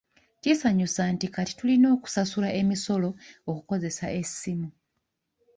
Kisanyusa nti kati tulina okusasula emisolo okukozesa essimu.